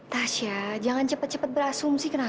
tasya jangan cepat cepat berasumsi kenapa